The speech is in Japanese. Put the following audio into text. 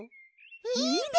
いいね！